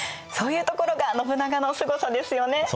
そういうところが信長のすごさですよね。